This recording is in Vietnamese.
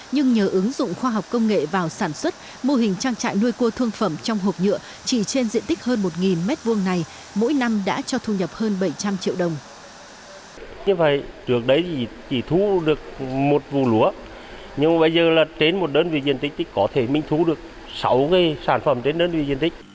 nhưng nhờ ứng dụng khoa học công nghệ vào sản xuất mô hình trang trại nuôi cua thương phẩm trong hộp nhựa chỉ trên diện tích hơn một m hai này mỗi năm đã cho thu nhập hơn bảy trăm linh triệu đồng